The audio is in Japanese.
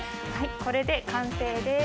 これで完成です。